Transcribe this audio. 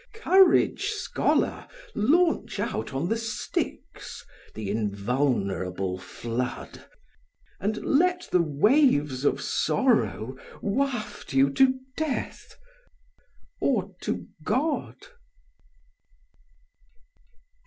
Courage, scholar, launch out on the Styx, the invulnerable flood, and let the waves of sorrow waft you to death or to God."